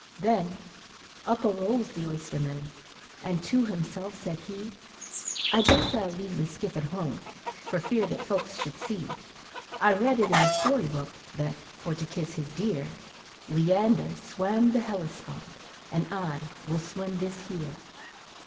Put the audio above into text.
Then up arose the oysterman, and to himself said he, "I guess I 'll leave the skiff at home, for fear that folks should see I read it in the story book, that, for to kiss his dear, Leander swam the Hellespont, and I will swim this here."